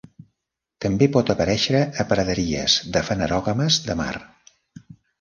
També pot aparèixer a praderies de fanerògames de mar.